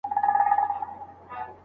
مثبت خلګ زموږ د ژوند په ښکلا کي رول لري.